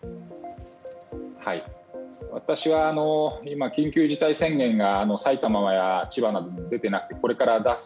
私は今、緊急事態宣言が埼玉や千葉などに出ていなくて、これから出す。